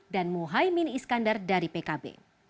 dan muhaymin iskandar dari pkb